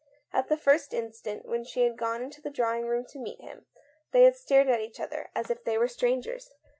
At the first instant, when she had gone into the drawing room to meet him, they had stared at each other as if they were strangers.